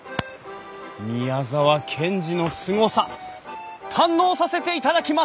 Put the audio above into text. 宮沢賢治のすごさ堪能させていただきます！